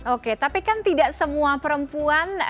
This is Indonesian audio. oke tapi kan tidak semua perempuan